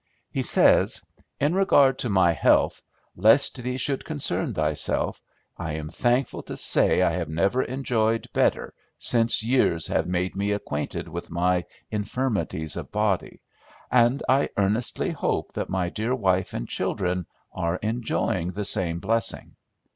"He says: 'In regard to my health, lest thee should concern thyself, I am thankful to say I have never enjoyed better since years have made me acquainted with my infirmities of body, and I earnestly hope that my dear wife and children are enjoying the same blessing.